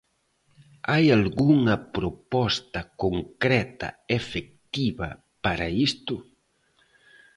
¿Hai algunha proposta concreta efectiva para isto?